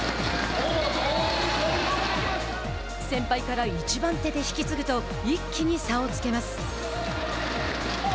先輩から１番手で引き継ぐと一気に差をつけます。